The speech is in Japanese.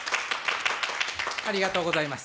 ありがとうございます。